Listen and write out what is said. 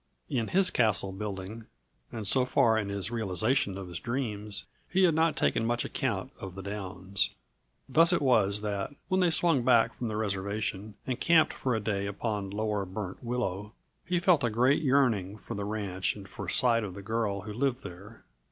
In his castle building, and so far in his realization of his dreams, he had not taken much account of the downs. Thus it was that, when they swung back from the reservation and camped for a day upon lower Burnt Willow, he felt a great yearning for the ranch and for sight of the girl who lived there.